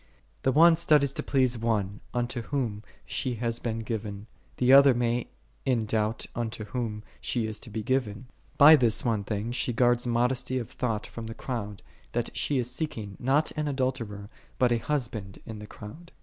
The one studies to please one, unto whom she hath been given; the other many, in doubt unto whom she is to be given: by this one thing she guards modesty of thought from the crowd, that she is seeking, not an adulterer, but a husband, in the crowd.